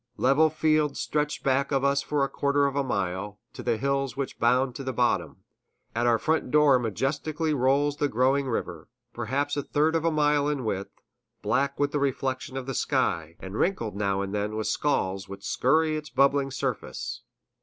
Level fields stretch back of us for a quarter of a mile, to the hills which bound the bottom; at our front door majestically rolls the growing river, perhaps a third of a mile in width, black with the reflection of the sky, and wrinkled now and then with squalls which scurry over its bubbling surface.